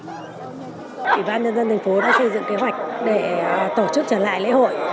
ủy ban nhân dân thành phố đã xây dựng kế hoạch để tổ chức trở lại lễ hội